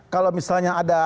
kalau misalnya ada